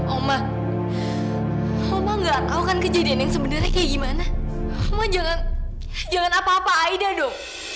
omah omah nggak tahu kan kejadian yang sebenarnya kayak gimana omah jangan jangan apa apa aida dong